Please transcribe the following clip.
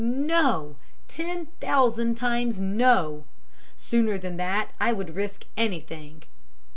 No! Ten thousand times no! Sooner than that I would risk anything.